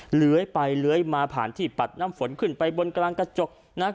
เหลือยไปเลื้อยมาผ่านที่ปัดน้ำฝนขึ้นไปบนกลางกระจกนะครับ